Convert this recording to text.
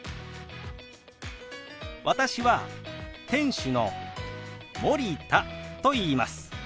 私は店主の森田といいます。